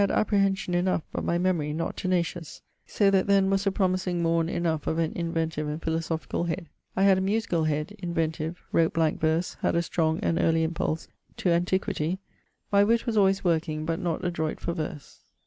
apprehension enough, but my memorie not tenacious. So that then was a promising morne enough of an inventive and philosophicall head. musicall head, inventive, blanke verse, a strong and early impulse to antiquitie (strong impulse to ♄). witt was alwaies working, but not adroict for verse.